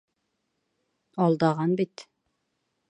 Алдаған бит!